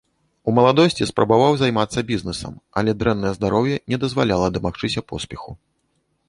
У маладосці спрабаваў займацца бізнесам, але дрэннае здароўе не дазваляла дамагчыся поспеху.